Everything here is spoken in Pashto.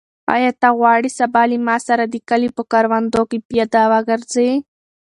آیا ته غواړې سبا له ما سره د کلي په کروندو کې پیاده وګرځې؟